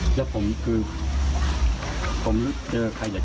การทำให้มันตามกฎหมายจะพูดมาก